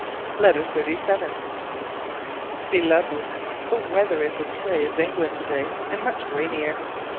LETTER XXXVII. Beloved: The weather is as gray as England to day, and much rainier.